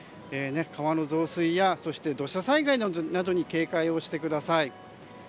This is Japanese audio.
川の増水や土砂災害などに警戒をしてください。